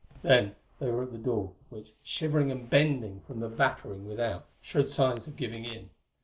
Then they were at the door, which, shivering and bending from the battering without, showed signs of giving in.